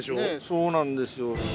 そうなんですよ。